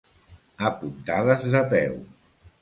A puntades de peu.